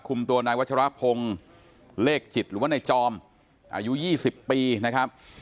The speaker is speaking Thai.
ตัวนายวัชรพงศ์เลขจิตหรือว่าในจอมอายุ๒๐ปีนะครับ